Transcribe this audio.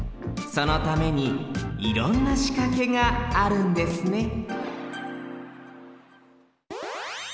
そのためにいろんなしかけがあるんですね